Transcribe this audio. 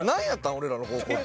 俺らの高校って。